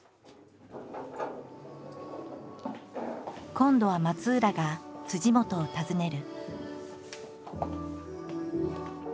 今度は松浦が本を訪ねる。